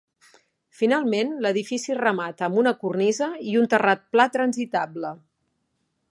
Finalment l'edifici es remata amb una cornisa i un terrat pla transitable.